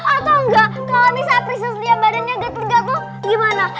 atau enggak kalau misalnya prinsip lia badannya gatel gatel gimana